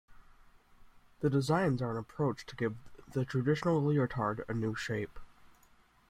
The designs are an approach to give the traditional leotard a new shape.